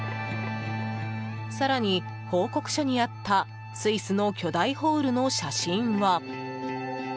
更に報告書にあったスイスの巨大ホールの写真は。